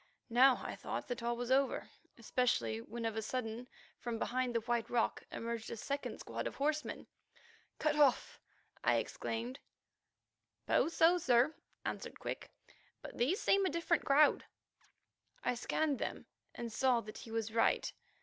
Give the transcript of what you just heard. Now I thought that all was over, especially when of a sudden from behind the White Rock emerged a second squad of horsemen. "Cut off!" I exclaimed. "Suppose so, sir," answered Quick, "but these seem a different crowd." I scanned them and saw that he was right.